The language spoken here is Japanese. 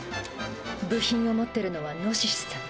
部品を持ってるのはノシシさん。